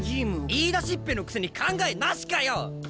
言いだしっぺのくせに考えなしかよ！